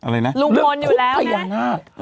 เรื่องทุบพยานาศ